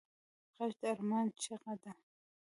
غږ د ارمان چیغه ده